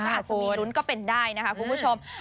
อาจจะมีลุ้นก็เป็นได้นะคะคุณผู้ชม